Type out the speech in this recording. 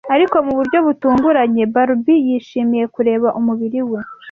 Ariko mu buryo butunguranye, Barbie yishimiye kureba umubiri we